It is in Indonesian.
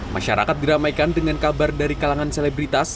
masyarakat diramaikan dengan kabar dari kalangan selebritas